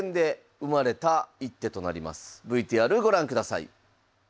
ＶＴＲをご覧ください。